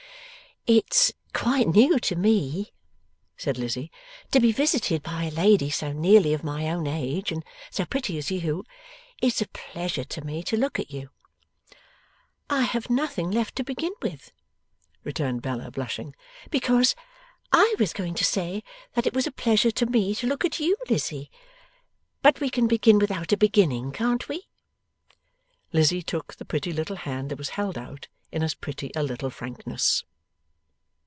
'It's quite new to me,' said Lizzie, 'to be visited by a lady so nearly of my own age, and so pretty, as you. It's a pleasure to me to look at you.' 'I have nothing left to begin with,' returned Bella, blushing, 'because I was going to say that it was a pleasure to me to look at you, Lizzie. But we can begin without a beginning, can't we?' Lizzie took the pretty little hand that was held out in as pretty a little frankness.